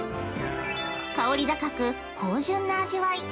香り高く芳醇な味わい。